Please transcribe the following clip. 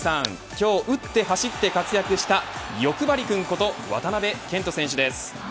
今日、打って走って活躍したよくばりくんこと渡部健人選手です